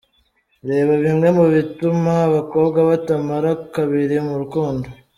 reba bimwe mu bituma abakobwa batamara kabiri mu rukundo:.